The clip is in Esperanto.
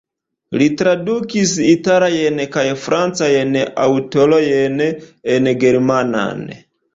Li tradukis italajn kaj francajn aŭtorojn en germanan.